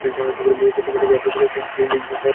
তোমার সঙ্গে আমার মিলন সেই মরীচিকার বাসরঘরে।